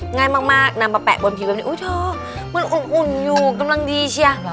ง่ายมากนำมาแปะบนผิวอุ้ยเทอร์มันอุ่นอยู่กำลังดีเชีย